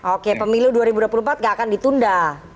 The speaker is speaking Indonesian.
oke pemilu dua ribu dua puluh empat gak akan ditunda